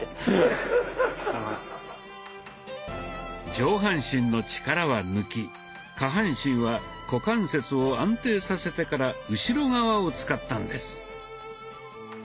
上半身の力は抜き下半身は股関節を安定させてから後ろ側を使ったんです。